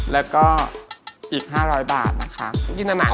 แล้วก็อีก๕๐๐บาทนะคะ